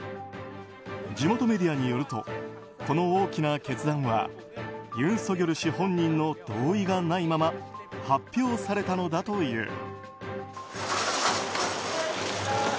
地元メディアによるとこの大きな決断はユン・ソギョル氏本人の同意がないまま発表されたのだという。